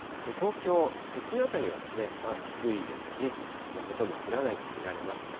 東京、都心辺りは低いですし、ほとんど降らないと見られます。